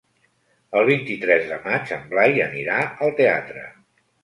El vint-i-tres de maig en Blai anirà al teatre.